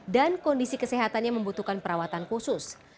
dan kondisi kesehatannya membutuhkan perawatan khusus